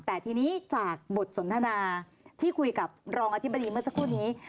แต่ทีนี้จากบทสนทนาที่คุยกับรองอธิบดีเมื่อสักครู่นี้